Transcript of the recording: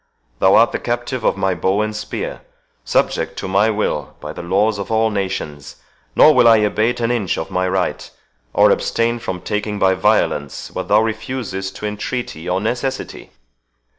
Thou art the captive of my bow and spear—subject to my will by the laws of all nations; nor will I abate an inch of my right, or abstain from taking by violence what thou refusest to entreaty or necessity."